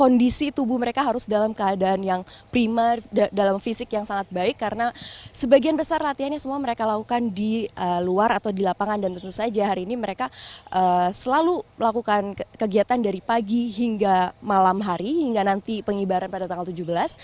kondisi tubuh mereka harus dalam keadaan yang prima dalam fisik yang sangat baik karena sebagian besar latihan yang semua mereka lakukan di luar atau di lapangan dan tentu saja hari ini mereka selalu melakukan kegiatan dari pagi hingga malam hari hingga nanti pengibaran pada tanggal tujuh belas